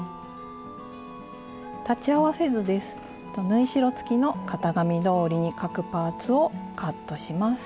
縫い代つきの型紙どおりに各パーツをカットします。